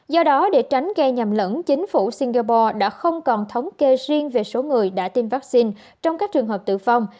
do đó để tránh gây nhầm lẫn chính phủ singapore đã không còn thống kê riêng về số người đã tiêm vaccine trong các trường hợp tử vong